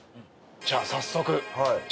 じゃあ早速。